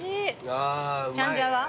チャンジャは？